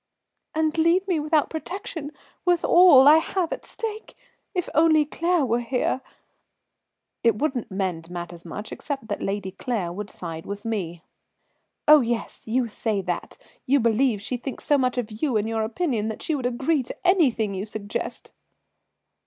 "And leave me without protection, with all I have at stake? If only Claire was here." "It wouldn't mend matters much, except that Lady Claire would side with me." "Oh, yes, you say that, you believe she thinks so much of you and your opinion that she would agree to anything you suggest."